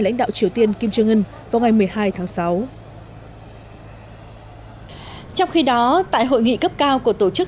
lãnh đạo triều tiên kim jong un vào ngày một mươi hai tháng sáu trong khi đó tại hội nghị cấp cao của tổ chức